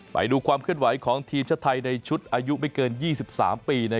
ไปดูความเคลื่อนไหวของทีมชาติไทยในชุดอายุไม่เกิน๒๓ปี